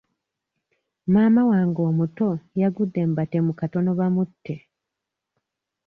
Maama wange omuto yagudde mu batemu katono bamutte.